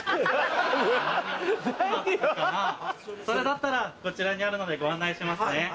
それだったらこちらにあるのでご案内しますね。